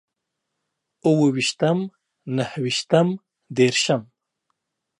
اوويشتم، نهويشتم، ديرشم